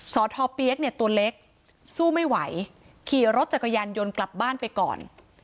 สทเปี๊ยกเนี่ยตัวเล็กสู้ไม่ไหวขี่รถจักรยานยนต์กลับบ้านไปก่อน